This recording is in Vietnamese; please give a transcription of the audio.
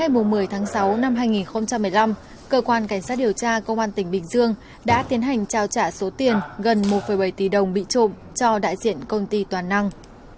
vào khoảng ba giờ sáng ngày tám tháng sáu năm hai nghìn một mươi năm cơ quan cảnh sát điều tra công an tỉnh bình dương đã tiến hành trao trả số tiền gần một bảy tỷ đồng bị trộm cho đại diện công ty toàn năng